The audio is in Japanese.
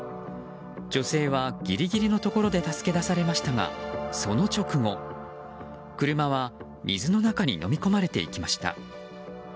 女性はギリギリのところで助け出されましたがその直後、車は水の中にのみ込まれていきました。